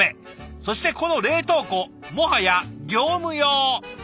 そしてこの冷凍庫もはや業務用！